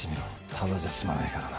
ただじゃ済まないからな？